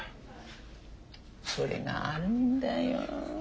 それがあるんだよ。